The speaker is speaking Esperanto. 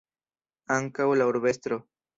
Ankaŭ la urbestro.